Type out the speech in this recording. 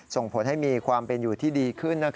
ส่งผลให้มีความเป็นอยู่ที่ดีขึ้น